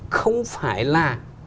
không phải là